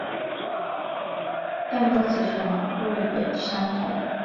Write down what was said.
但歌词全部也相同。